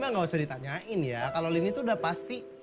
nggak usah ditanyain ya kalau ini sudah pasti